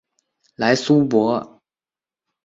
莱苏博。